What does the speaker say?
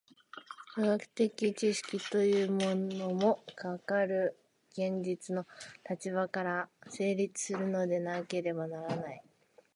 科学的知識というのも、かかる現実の立場から成立するのでなければならない。